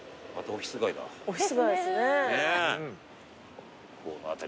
オフィス街ですね。